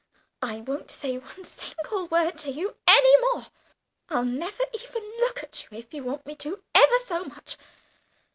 I won't say one single word to you any more.... I'll never even look at you if you want me to ever so much....